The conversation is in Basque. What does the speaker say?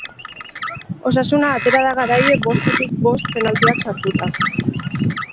Osasuna atera da garaile bostetik bost penaltiak sartuta.